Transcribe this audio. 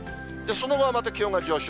その後はまた気温が上昇。